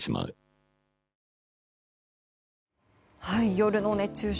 夜の熱中症